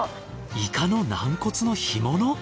イカの軟骨の干物！？